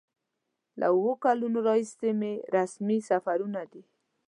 له اوو کلونو راهیسې مې رسمي سفرونه دي.